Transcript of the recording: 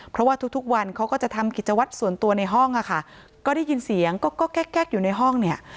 เพราะว่าทุกทุกวันเขาก็จะทำกิจวัตรส่วนตัวในห้องค่ะก็ได้ยินเสียงก็แก๊กแก๊กอยู่ในห้องเนี่ย